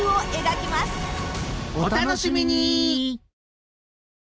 お楽しみに！